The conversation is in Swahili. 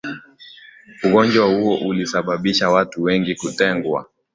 ugonjwa huo ulisababisha watu wengi kutengwa